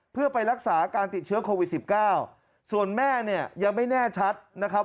เพื่อไปรักษาการติดเชื้อโควิดสิบเก้าส่วนแม่เนี่ยยังไม่แน่ชัดนะครับ